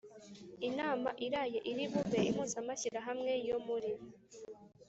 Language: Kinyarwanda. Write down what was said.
inama iraye iri bube, impuzamashyirahamwe yo muri